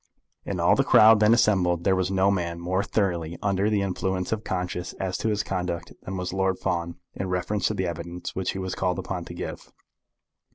In all the crowd then assembled there was no man more thoroughly under the influence of conscience as to his conduct than was Lord Fawn in reference to the evidence which he was called upon to give.